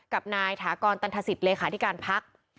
กับนายถากรตันทศิษย์เลขาธิการพัก